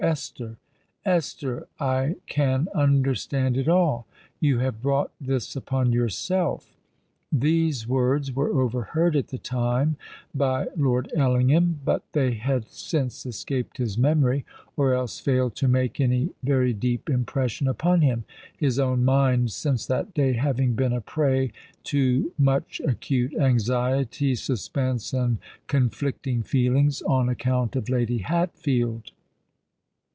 Esther—Esther, I can understand it all. You have brought this upon yourself!_" These words were overheard at the time by Lord Ellingham: but they had since escaped his memory—or else failed to make any very deep impression upon him,—his own mind, since that day, having been a prey to much acute anxiety, suspense, and conflicting feelings, on account of Lady Hatfield.